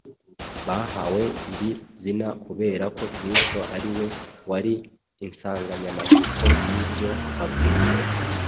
Bahawe iri zina kubera ko Kristo ari we wari insanganyamatsiko y’ibyo babwirizaga,